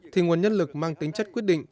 thì nguồn nhân lực mang tính chất quyết định